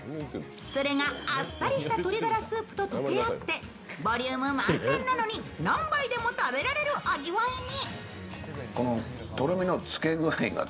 それがあっさりした鶏ガラスープと溶け合ってボリューム満点なのに、何杯でも食べられる味わいに。